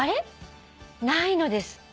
「ないのです。